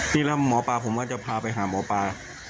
นี่แล้วหมอปลาผมก็จะพาไปหาหมอปลา